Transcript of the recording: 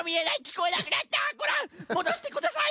こらもどしてください！